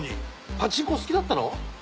パチンコ好きだったの？